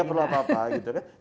gak perlu apa apa gitu kan